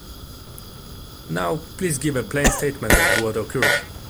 Now please give a plain statement of what occurred.